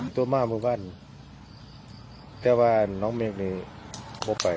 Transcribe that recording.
ตัวมามบ้านแต่ว่าน้องเมฆนี้พบไป